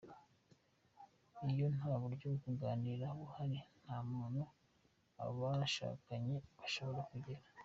Iyo nta buryo bwo kuganira buhari nta hantu abashakanye bashobora kugera.